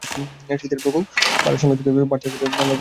শীতের প্রকোপ বাড়ার সঙ্গে সঙ্গে বাড়তে থাকে নানা রকম ত্বকের সমস্যা।